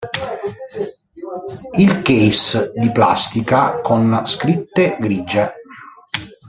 Il case di plastica con scritte grigie.